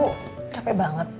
udah keren banget